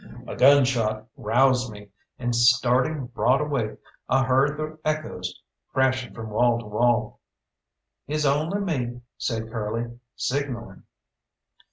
A gunshot roused me, and starting broad awake I heard the echoes crashing from wall to wall. "It's only me," said Curly, "signalling."